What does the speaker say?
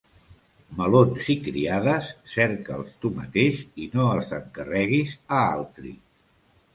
Melons i criades, cerca'ls tu mateix i no els encarreguis a altri.